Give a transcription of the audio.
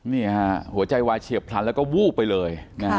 นี่ฮะหัวใจวายเฉียบพลันแล้วก็วูบไปเลย